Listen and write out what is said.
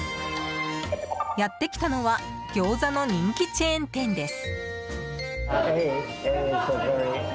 やって来たのはギョーザの人気チェーン店です。